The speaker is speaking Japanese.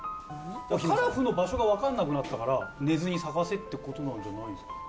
カラフの場所がわからなくなったから寝ずに捜せって事なんじゃないんですか？